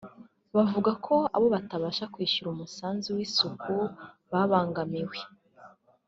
bavuga ko abo batabasha kwishyura umusanzu w’isuku bababangamiye